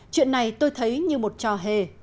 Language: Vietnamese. chuyện này tôi thấy như một trò hề